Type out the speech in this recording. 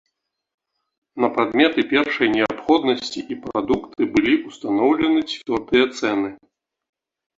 На прадметы першай неабходнасці і прадукты былі ўстаноўлены цвёрдыя цэны.